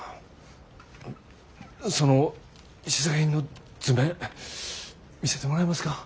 その試作品の図面見せてもらえますか？